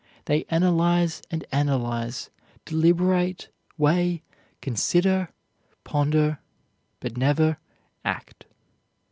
They analyze and analyze, deliberate, weigh, consider, ponder, but never act.